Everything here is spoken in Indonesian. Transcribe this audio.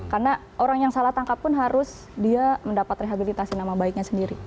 karena orang yang salah tangkap pun harus dia mendapat rehabilitasi nama baiknya sendiri